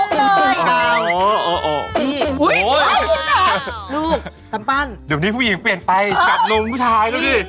เดี๋ยวนี้ผู้หญิงเปลี่ยนไปจับนมผู้ชายแล้วสิ